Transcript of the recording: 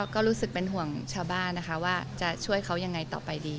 ก็รู้สึกเป็นห่วงชาวบ้านนะคะว่าจะช่วยเขายังไงต่อไปดี